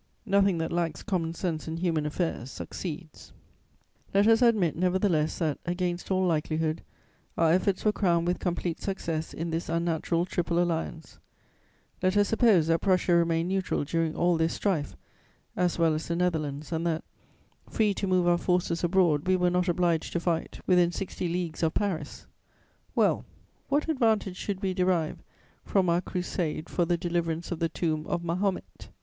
Nothing that lacks common sense in human affairs succeeds. [Sidenote: On Eastern affairs: Part II.] "Let us admit, nevertheless, that, against all likelihood, our efforts were crowned with complete success in this unnatural Triple Alliance, let us suppose that Prussia remained neutral during all this strife, as well as the Netherlands, and that, free to move our forces abroad, we were not obliged to fight within sixty leagues of Paris: well, what advantage should we derive from our crusade for the deliverance of the tomb of Mahomet?